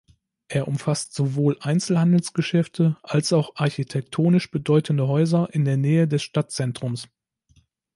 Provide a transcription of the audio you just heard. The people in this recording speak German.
Er umfasst sowohl Einzelhandelsgeschäfte als auch architektonisch bedeutende Häuser in der Nähe des Stadtzentrums.